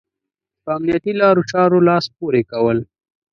په امنيتي لارو چارو لاس پورې کول.